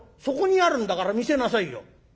「そこにあるんだから見せなさいよ」。